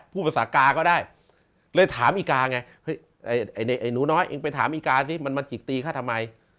พูดภาษากาก็ได้เลยถามอีกาไงไอ้หนูน้อยเองไปถามอีกาสิมันมาจิกตีเขาทำไม